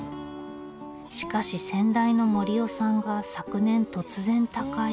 しかし先代の盛雄さんが昨年突然他界。